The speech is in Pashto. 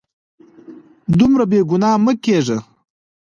دومره بې ګناه مه کیږه